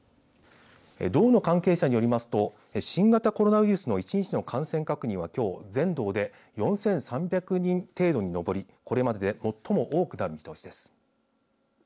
道の関係者によりますと新型コロナウイルスの１日の感染確認はきょう全道で４３００人程度に上りこれまでで最も多くなる見通しです。